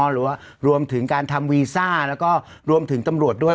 หรือว่ารวมถึงการทำวีซ่าแล้วก็รวมถึงตำรวจด้วย